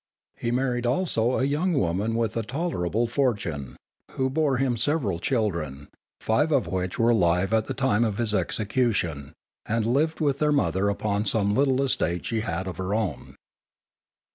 He married also a young woman with a tolerable fortune, who bore him several children, five of which were alive at the time of his execution, and lived with their mother upon some little estate she had of her own.